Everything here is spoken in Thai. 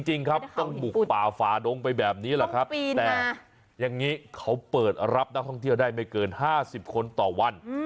จริงครับต้องบุกป่าฝาดงไปแบบนี้แหละครับแต่อย่างนี้เขาเปิดรับนักท่องเที่ยวได้ไม่เกิน๕๐คนต่อวัน